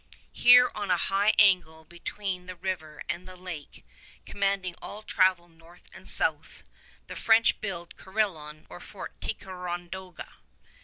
Here on a high angle between the river and the lake, commanding all travel north and south, the French build Carillon or Fort Ticonderoga.